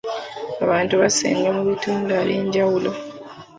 Abantu basenga mu bitundu eby'enjawulo.